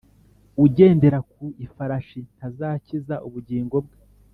Ugendera ku ifarashi ntazakiza ubugingo bwe